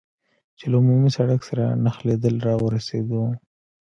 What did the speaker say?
چې له عمومي سړک سره نښلېدل را ورسېدو.